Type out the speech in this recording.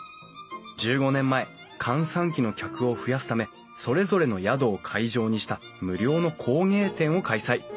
１５年前閑散期の客を増やすためそれぞれの宿を会場にした無料の工芸展を開催。